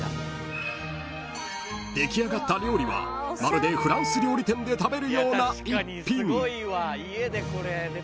［出来上がった料理はまるでフランス料理店で食べるような逸品］